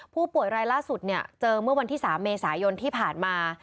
ผู้ป่วยรายล่าสุดเนี่ยเจอเมื่อวันที่๓เมษายนที่ผ่านมา